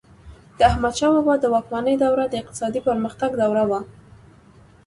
د احمدشاه بابا د واکمنۍ دوره د اقتصادي پرمختګ دوره وه.